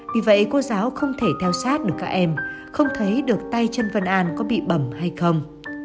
vì vậy cô giáo không thể theo sát được các em không thấy được tay chân vân anh có bị bầm hay không